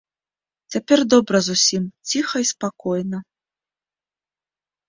Цяпер добра зусім, ціха й спакойна.